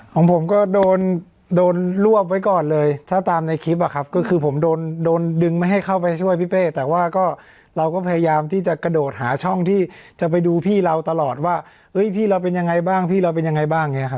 ของผมก็โดนโดนรวบไว้ก่อนเลยถ้าตามในคลิปอะครับก็คือผมโดนโดนดึงไม่ให้เข้าไปช่วยพี่เป้แต่ว่าก็เราก็พยายามที่จะกระโดดหาช่องที่จะไปดูพี่เราตลอดว่าเฮ้ยพี่เราเป็นยังไงบ้างพี่เราเป็นยังไงบ้างอย่างนี้ครับ